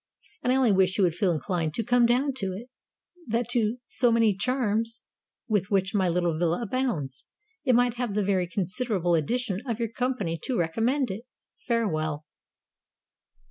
And I only wish you would feel inclined to come down to it, that to so many charms with which my little villa abounds, it might have the very considerable addition of your company to recommend it. Farewell.